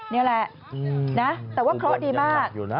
นี่แหละนะแต่ว่าเคราะห์ดีมาก